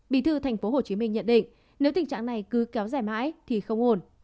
bí thư tp hcm nhận định nếu tình trạng này cứ kéo dài mãi thì không ổn